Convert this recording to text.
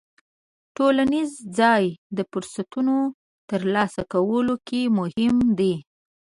ټولنیز ځای د فرصتونو ترلاسه کولو کې مهم دی.